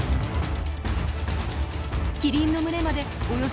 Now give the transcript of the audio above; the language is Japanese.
キリンの群れまでおよそ２０メートル。